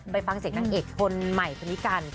ไปฟังเสียงทางเอกคนใหม่พริกัณฑ์